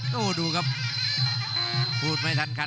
กรุงฝาพัดจินด้า